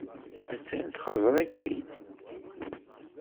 Attan txeẓẓer-ikem-id.